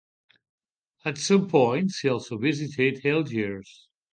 At some point she also visited Algiers.